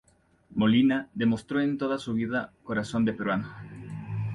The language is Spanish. Molina demostró en toda su vida corazón de peruano.